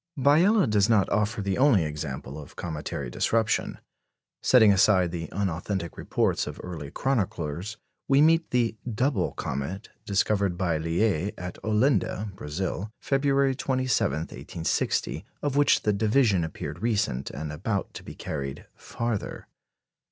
Biela does not offer the only example of cometary disruption. Setting aside the unauthentic reports of early chroniclers, we meet the "double comet" discovered by Liais at Olinda (Brazil), February 27, 1860, of which the division appeared recent, and about to be carried farther.